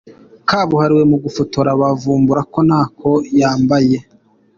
kabuhariwe mu gufotora bavumbura ko ntako yambaye.